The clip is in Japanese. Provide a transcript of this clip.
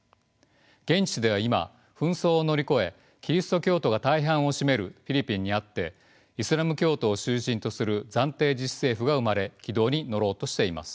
現地では今紛争を乗り越えキリスト教徒が大半を占めるフィリピンにあってイスラム教徒を中心とする暫定自治政府が生まれ軌道に乗ろうとしています。